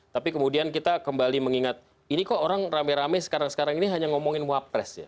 tapi kemudian kita kembali mengingat ini kok orang rame rame sekarang sekarang ini hanya ngomongin wapres ya